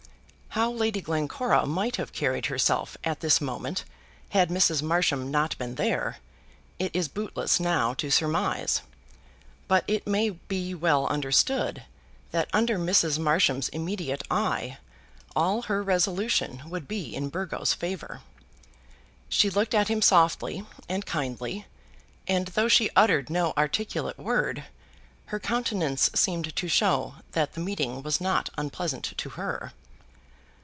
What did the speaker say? How Lady Glencora might have carried herself at this moment had Mrs. Marsham not been there, it is bootless now to surmise; but it may be well understood that under Mrs. Marsham's immediate eye all her resolution would be in Burgo's favour. She looked at him softly and kindly, and though she uttered no articulate word, her countenance seemed to show that the meeting was not unpleasant to her.